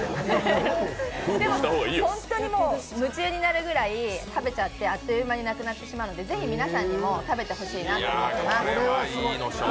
でも、本当にもう夢中になるぐらい食べちゃってあっという間になくなってしまうので、ぜひ皆さんにも食べてほしいなと思います。